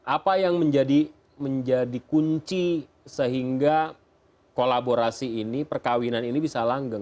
apa yang menjadi kunci sehingga kolaborasi ini perkawinan ini bisa langgeng